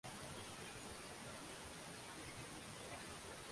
ya panya kwa mtazamo fulani Msitu wa